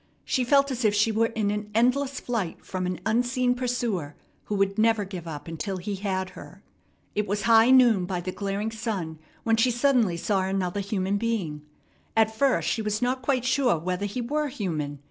She felt as if she were in an endless flight from an unseen pursuer, who would never give up until he had her. It was high noon by the glaring sun when she suddenly saw another human being. At first she was not quite sure whether he were human.